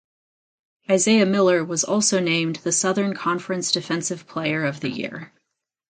Isaiah Miller was also named the Southern Conference Defensive Player of the Year.